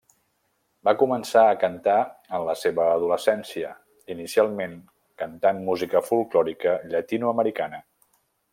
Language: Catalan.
Va començar a cantar en la seva adolescència, inicialment cantant música folklòrica Llatinoamericana.